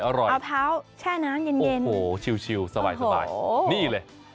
เอาเผาแช่น้ำเย็นโอ้โหชิวสบายนี่เลย